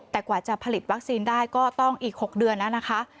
แต่กว่าจะผลิตวัคซีนได้ก็ต้องอีก๖เดือนแล้วนะคะ